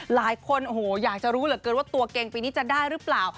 หลายคนอยากจะรู้ละกันตัวแกงปีนี้จะได้หรือเปล่า